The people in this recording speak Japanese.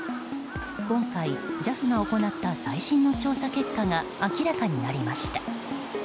今回、ＪＡＦが行った最新の調査結果が明らかになりました。